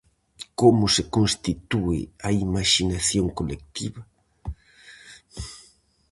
Como se constitúe a imaxinación colectiva?